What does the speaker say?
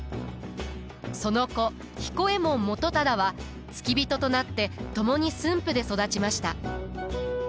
その子彦右衛門元忠は付き人となって共に駿府で育ちました。